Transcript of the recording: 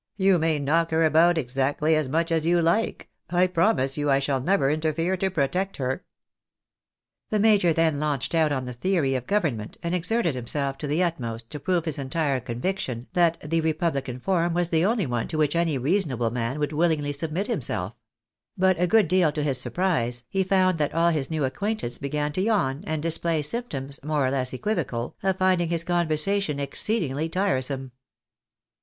" You may knock her about exactly as much as you like, I promise you I shall never interfere to pro tect her." The major then launched out on the theory of government, and exerted himself to the utmost to prove his entire conviction that the republican form was the only one to which any reasonable man would wiUingly submit himself ; but a good deal to his surprise, he found that all his new acquaintance began to yawn, and display symptoms, more or less equivocal, of finding his conversation ex ceedingly tiresome.